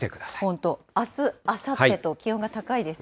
本当、あす、あさってと気温が高いですね。